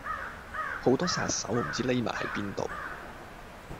好多殺手唔知匿喺邊度